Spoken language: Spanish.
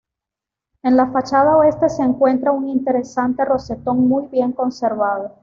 En la fachada oeste se encuentra un interesante rosetón muy bien conservado.